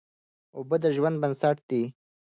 اوبه د ژوند بنسټ دی.